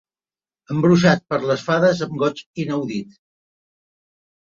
Embruixat per les fades amb goig inaudit.